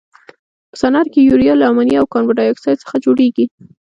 په صنعت کې یوریا له امونیا او کاربن ډای اکسایډ څخه جوړیږي.